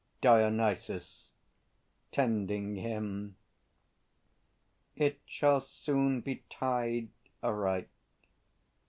DIONYSUS (tending him). It shall soon be tied Aright.